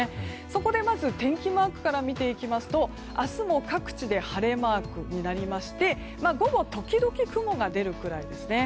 そこでまず天気マークから見ていきますと明日も各地で晴れマークになりまして午後、時々雲が出るくらいですね。